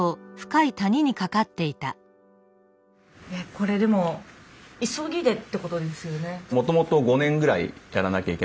これでも急ぎでってことですよね？